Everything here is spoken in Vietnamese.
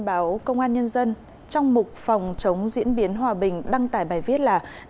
báo công an nhân dân trong mục phòng chống diễn biến hòa bình đăng tải bài viết là